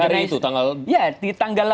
di hari itu tanggal delapan belas itu